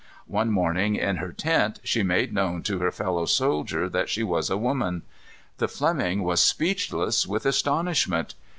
One morning, in her tent, she made known to her fellow soldier that she was a woman. The Fleming was speechless with astonishment.